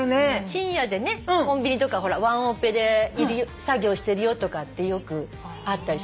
深夜でコンビニとかワンオペで作業してるよとかってよくあったりしますけど。